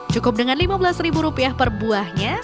cukup dengan lima belas ribu rupiah per buahnya